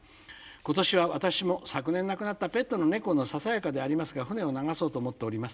今年は私も昨年亡くなったペットの猫のささやかではありますが船を流そうと思っております。